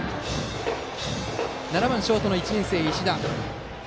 バッターは７番ショートの１年生、石田。